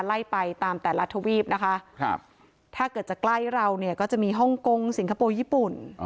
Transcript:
ไล่ไปตามแต่ละทวีปนะคะถ้าเกิดจะใกล้เราเนี่ยก็จะมีฮ่องกงสิงคโปร์ญี่ปุ่น